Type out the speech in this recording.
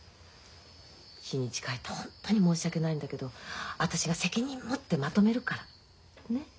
日にち変えて本当に申し訳ないんだけど私が責任持ってまとめるから。ね！